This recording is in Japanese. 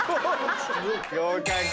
合格。